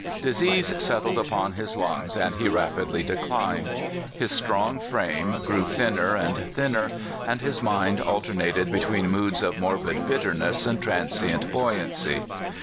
Disease settled upon his lungs, and he rapidly declined. His strong frame grew thinner and thin ner, and his mind alternated between moods of morbid bitterness and transient buoyancy.